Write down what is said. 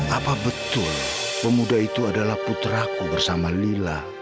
apa betul pemuda itu adalah putraku bersama lila